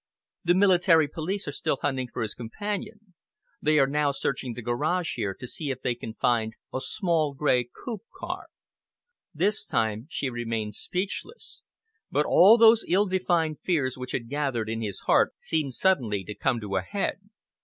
"The military police are still hunting for his companion. They are now searching the garage here to see if they can find a small, grey, coupe car." This time she remained speechless, but all those ill defined fears which had gathered in his heart seemed suddenly to come to a head.